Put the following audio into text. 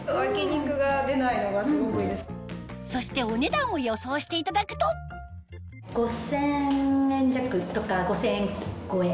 そしてお値段を予想していただくと５０００円弱とか５０００円超え。